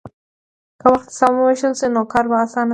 که وخت سم ووېشل شي، نو کار به اسانه شي.